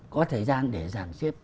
có thời gian để giảng xếp